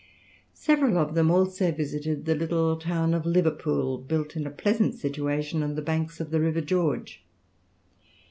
Several of them also visited the little town of Liverpool, built in a pleasant situation on the banks of the river George.